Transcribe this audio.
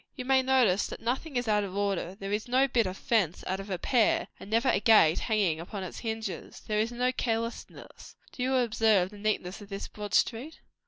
"You may notice that nothing is out of order. There is no bit of fence out of repair; and never a gate hanging upon its hinges. There is no carelessness. Do you observe the neatness of this broad street?"